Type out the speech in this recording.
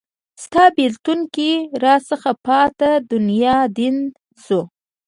ستا بیلتون کې راڅه پاته دنیا دین شو